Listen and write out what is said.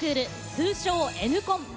通称、Ｎコン。